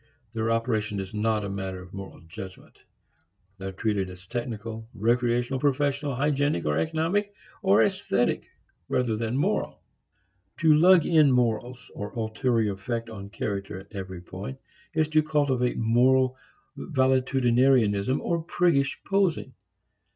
Their operation is not a matter of moral judgment. They are treated as technical, recreational, professional, hygienic or economic or esthetic rather than moral. To lug in morals, or ulterior effect on character at every point, is to cultivate moral valetudinarianism or priggish posing.